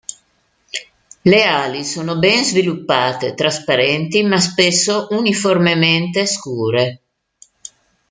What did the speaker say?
Le ali sono ben sviluppate, trasparenti ma spesso uniformemente scure.